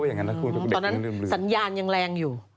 ตอนนั้นสัญญาณยังแรงอยู่